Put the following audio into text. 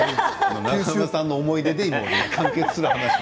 長濱さんの思い出で完結するのに。